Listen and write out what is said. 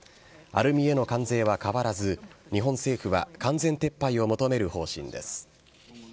アルミへの関税は変わらず、日本政府は完全撤廃を求める方針です。